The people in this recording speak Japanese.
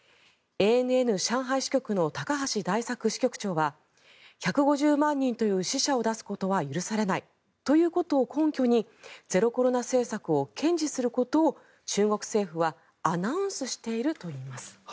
ＡＮＮ上海支局の高橋大作支局長は１５０万人という死者を出すことは許されないということを根拠にゼロコロナ政策を堅持することを中国政府はアナウンスしているといいます。